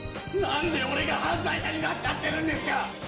なんで俺が犯罪者になっちゃってるんですか！